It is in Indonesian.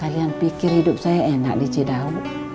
kalian pikir hidup saya enak di cidau